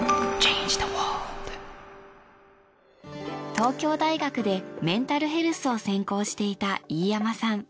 東京大学でメンタルヘルスを専攻していた飯山さん。